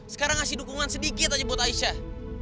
sekarang ngasih dukungan sedikit aja buat aisyah